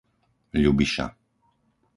Ľubiša